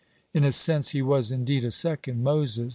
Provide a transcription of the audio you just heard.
(41) In a sense he was, indeed, a second Moses.